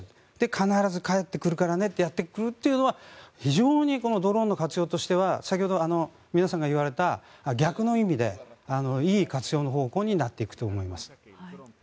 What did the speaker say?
必ず帰ってくるからねってやることで非常にドローンの活用としては先ほど皆さんが言われたのとは逆の意味でいい活用の方向になっていくと思います。